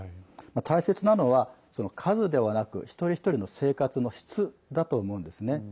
大切なのは数ではなく一人一人の生活の質だと思うんですね。